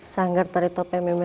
sanggar tari topeng mimi rasina